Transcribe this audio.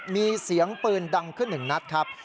มีเสียงปืนดังขึ้นหนึ่งนัดครับ